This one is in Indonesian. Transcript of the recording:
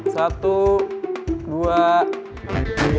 satu dua tiga